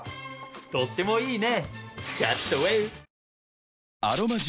とってもいいね！